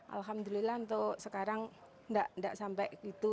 alhamdulillah untuk sekarang tidak sampai gitu